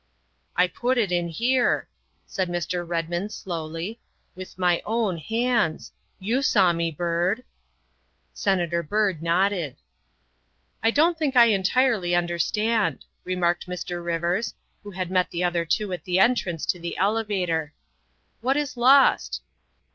" I put it in here," said Mr. Redmond slowly, " with my own hands. You saw me, Byrd. " Senator Byrd nodded. " I don't think I entirely understand," remarked Mr. Rivers, who had met the other two at the entrance to the elevator. '' What is lost